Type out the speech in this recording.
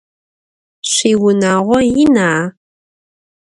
Şüiunağo yina?